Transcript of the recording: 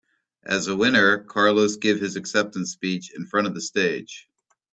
As a winner, Carlos give his acceptance speech in front of the stage.